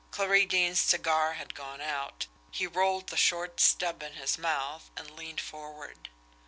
Clarie Deane's cigar had gone out. He rolled the short stub in his mouth, and leaned forward.